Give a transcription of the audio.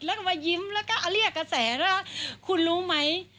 แล้วก็มายิ้มเราก็อลี่กเขาแสนว่าคุณรู้ไหม